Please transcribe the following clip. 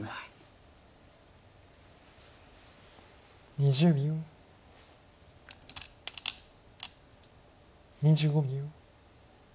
２５秒。